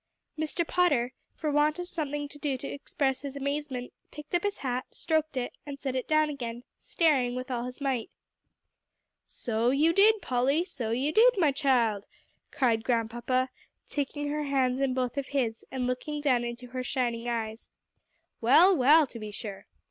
Mr. Potter, for want of something to do to express his amazement, picked up his hat, stroked it, and set it down again, staring with all his might. "So you did, Polly; so you did, my child," cried Grandpapa, taking her hands in both of his, and looking down into her shining eyes; "well, well, to be sure.